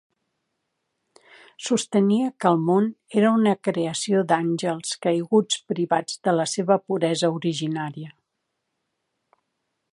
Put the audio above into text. Sostenia que el món era una creació d'àngels caiguts privats de la seva puresa originària.